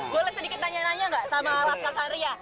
boleh sedikit nanya nanya gak sama laskar santri ya